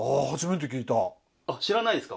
知らないですか？